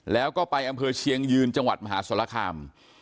แล้วก็ไปอำเภอเชียงยืนจังหวัดมหาสรคาม